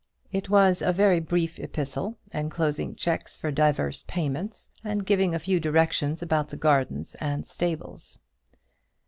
It was a very brief epistle, enclosing cheques for divers payments, and giving a few directions about the gardens and stables.